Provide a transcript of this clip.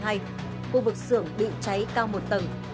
khu vực xưởng bị cháy cao một tầng